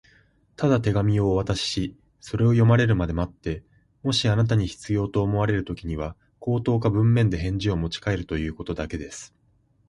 「ただ手紙をお渡しし、それを読まれるまで待って、もしあなたに必要と思われるときには、口頭か文面で返事をもちかえるということだけです」